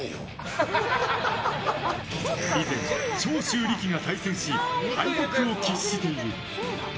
以前、長州力が対戦し敗北を喫している。